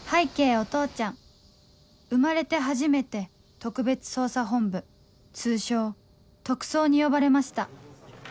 お父ちゃん生まれて初めて特別捜査本部通称「特捜」に呼ばれました